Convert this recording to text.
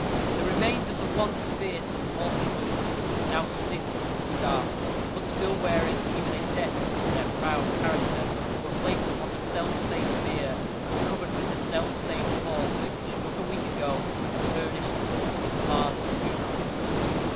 The remains of the once fierce and haughty Luke, now stiff and stark, but still wearing, even in death, their proud character, were placed upon the self same bier, and covered with the self same pall which, but a week ago, had furnished forth his father's funeral.